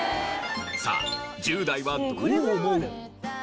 さあ１０代はどう思う？